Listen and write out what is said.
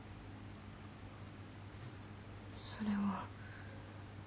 それは。